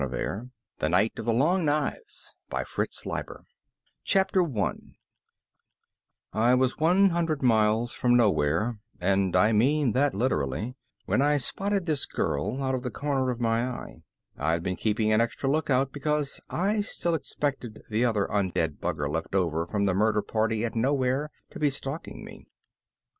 _ The Twenty Fifth Hour, by Herbert Best I was one hundred miles from Nowhere and I mean that literally when I spotted this girl out of the corner of my eye. I'd been keeping an extra lookout because I still expected the other undead bugger left over from the murder party at Nowhere to be stalking me.